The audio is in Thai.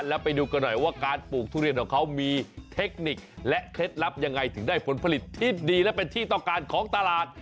แล้วไปดูกันหน่อยว่าการปลูกทุเรียนของเขามีเทคนิคและเคล็ดลับยังไงถึงได้ผลผลิตที่ดีและเป็นที่ต้องการของตลาด